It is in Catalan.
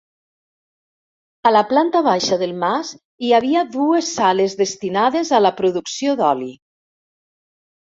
A la planta baixa del mas hi havia dues sales destinades a la producció d'oli.